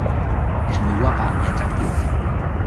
Es muy guapa y atractiva.